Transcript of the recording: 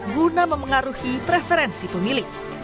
guna memengaruhi preferensi pemilih